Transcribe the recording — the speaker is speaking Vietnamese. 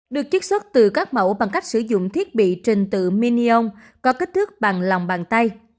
được chiếc xuất từ các mẫu bằng cách sử dụng thiết bị trình tự minion có kích thước bằng lòng bàn tay